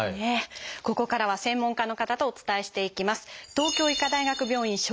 ここからは専門家の方とお伝えしていきます。